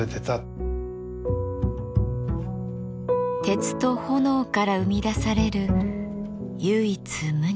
鉄と炎から生み出される唯一無二の芸術です。